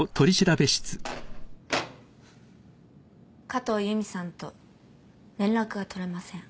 加藤由美さんと連絡が取れません。